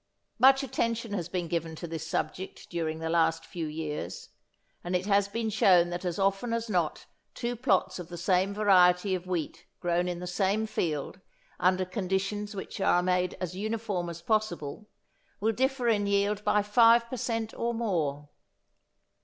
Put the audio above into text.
Much attention has been given to this subject during the last few years, and it has been shown that as often as not two plots of the same variety of wheat grown in the same field under conditions which are made as uniform as possible will differ in yield by 5 per cent. or more.